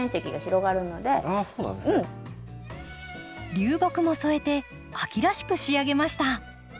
流木も添えて秋らしく仕上げました。